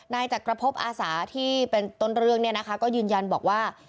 นายจักรพบอาสาที่เป็นต้นเรื่องเนี่ยนะคะก็ยืนยันบอกว่า